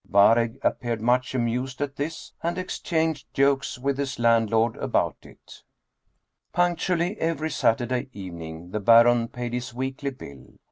Waregg appeared much amused at this, and exchanged jokes with his land lord about it Punctually every Saturday evening the Baron paid his weekly bill.